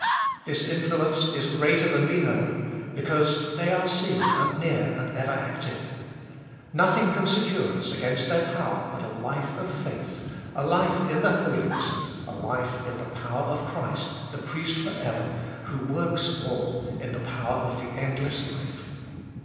This influence is greater than we know, because they are seen and near and ever active. Nothing can secure us against their power but a life of faith, a life in the Holiest, a life in the power of Christ, the Priest for ever, who works all in the power of the endless life.